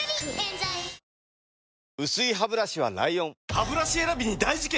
薄いハブラシは ＬＩＯＮハブラシ選びに大事件！